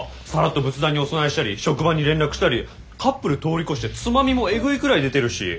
さらっと仏壇にお供えしたり職場に連絡したりカップル通り越して妻みもエグいくらい出てるし！